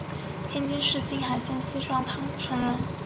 天津市静海县西双塘村人。